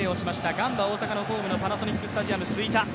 ガンバ大阪のホームのパナソニックスタジアム吹田。